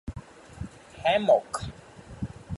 Hammock!